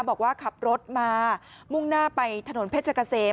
บอกว่าขับรถมามุ่งหน้าไปถนนเพชรเกษม